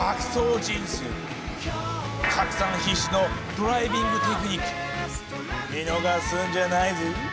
拡散必至のドライビングテクニック見逃すんじゃないぜ。